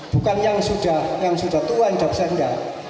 bukan yang sudah tua yang sudah sendak